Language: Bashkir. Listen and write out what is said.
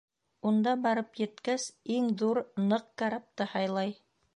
Унда барып еткәс, иң ҙур, ныҡ карапты һайлай.